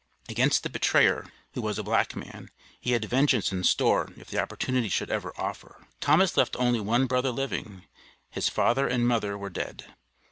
Against the betrayer, who was a black man, he had vengeance in store if the opportunity should ever offer. Thomas left only one brother living; his "father and mother were dead."